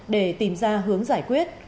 để tìm ra hướng giải quyết